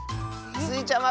スイちゃん